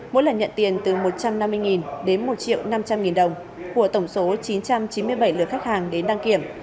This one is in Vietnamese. mỗi lần nhận tiền từ một trăm năm mươi đến một năm trăm linh đồng của tổng số chín trăm chín mươi bảy lượt khách hàng đến đăng kiểm